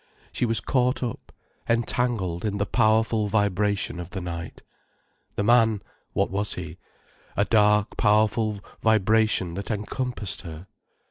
She was caught up, entangled in the powerful vibration of the night. The man, what was he?—a dark, powerful vibration that encompassed her.